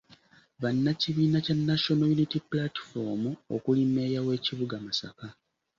Bannakibiina kya National Unity Platform okuli mmeeya w’ekibuga Masaka.